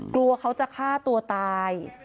ฆ่าตัวตาย